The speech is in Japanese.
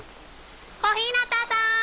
小日向さん！